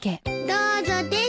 どうぞです。